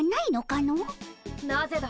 ・なぜだ！